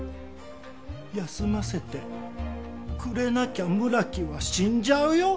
休ませてくれなきゃ村木は死んじゃうよ。